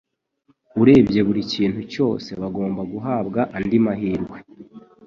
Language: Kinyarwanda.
Urebye buri kintu cyose bagomba guhabwa andi mahirwe